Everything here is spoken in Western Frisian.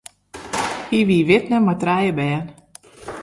Hy wie widner mei trije bern.